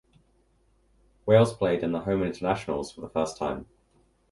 Wales played in the Home Internationals for the first time.